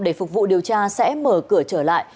để phục vụ điều tra sẽ mở cửa trở lại